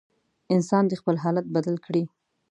انسان دې خپل حالت بدل کړي.